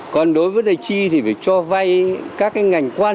còn đối với vấn đề chi thì phải cho vay các cái ngành quan